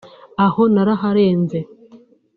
aho naraharenze